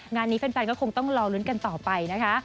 งานนี้แฟนก็คงต้องรอลุ้นกันต่อไปนะคะ